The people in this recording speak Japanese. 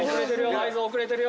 合図遅れてるよ。